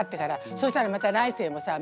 そしたらまた来世もさまたね